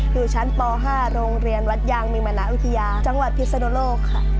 อยู่ชั้นป๕โรงเรียนวัดยางมีมณวิทยาจังหวัดพิศนุโลกค่ะ